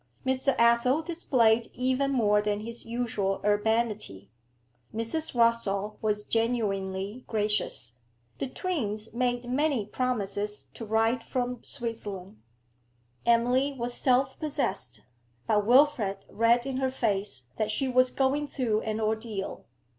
Mr. Athel displayed even more than his usual urbanity; Mrs. Rossall was genuinely gracious; the twins made many promises to write from Switzerland. Emily was self possessed, but Wilfrid read in her face that she was going through an ordeal.